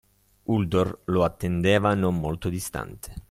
Uldor lo attendeva non molto distante.